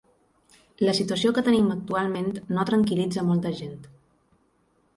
La situació que tenim actualment no tranquil·litza molta gent.